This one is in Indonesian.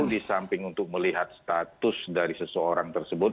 di samping untuk melihat status dari seseorang tersebut